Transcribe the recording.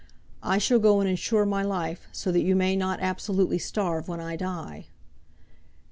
I shall go and insure my life, so that you may not absolutely starve when I die."